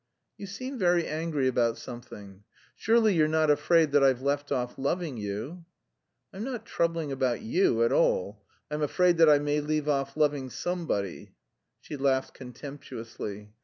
"You seem very angry about something. Surely you're not afraid that I've left off loving you?" "I'm not troubling about you at all. I'm afraid that I may leave off loving somebody." She laughed contemptuously.